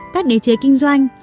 các đế chế kinh doanh